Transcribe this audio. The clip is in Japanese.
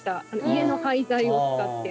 家の廃材を使って。